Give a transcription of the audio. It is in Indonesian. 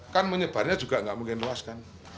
kan menyebarnya juga nggak mungkin luas kan